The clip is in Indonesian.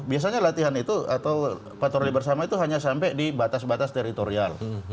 biasanya latihan itu atau patroli bersama itu hanya sampai di batas batas teritorial